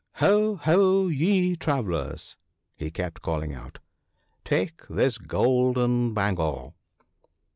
" Ho ! ho ! ye travellers," he kept calling out, " take this golden bangle